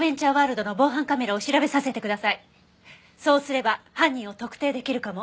そうすれば犯人を特定できるかも。